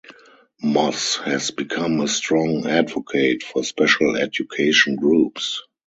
Moss has become a strong advocate for special education groups.